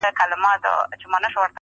هر څه بې معنا ښکاري ډېر,